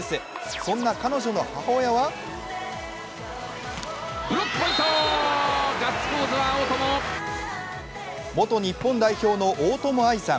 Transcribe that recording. そんな彼女の母親は元日本代表の大友愛さん。